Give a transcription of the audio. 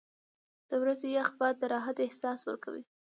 • د ورځې یخ باد د راحت احساس ورکوي.